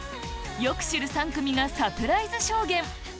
よく知る３組がサプライズ証言